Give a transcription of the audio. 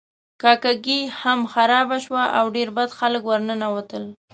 کاکه ګي هم خرابه شوه او ډیر بد خلک ورننوتل.